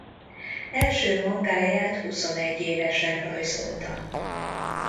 Első mangáját huszonegy évesen rajzolta.